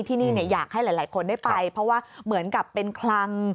ที่นี่อยากให้หลายคนได้ไปเพราะว่าเหมือนกับเป็นคลัง